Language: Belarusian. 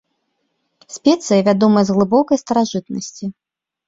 Спецыя, вядомая з глыбокай старажытнасці.